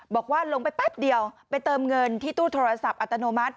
บอกว่าลงไปแป๊บเดียวไปเติมเงินที่ตู้โทรศัพท์อัตโนมัติ